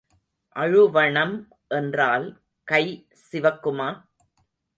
அழுவணம் என்றால் கை சிவக்குமா?